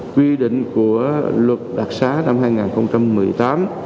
quy định của luật đặc giá năm hai nghìn hai mươi một